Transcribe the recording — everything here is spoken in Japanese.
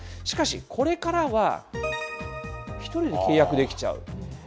しかし、これからは、１人で契約できちゃう。